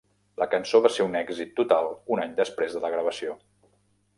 La cançó va ser un èxit total un any després de la gravació.